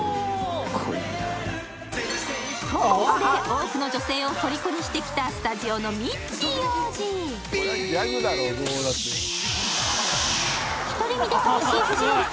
多くの女性をとりこにしてきたスタジオのミッチー王子。